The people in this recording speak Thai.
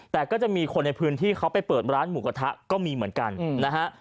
แต่ก็จะมีคนในพื้นที่เขาไปเปิดร้านหมูกระทะก็มีเหมือนกันนะฮะ